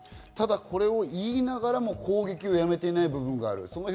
これを言いながらも攻撃をやめていない部分があります。